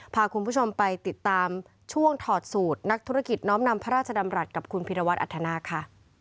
พาคุณผู้ชมไปติดตามช่วงถอดสูตรนักธุรกิจน้อมนำพระราชดำรัฐกับคุณพิรวัตรอัธนาคค่ะ